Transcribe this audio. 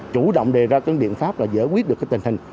chủ động đề ra các biện pháp là giải quyết được cái tình hình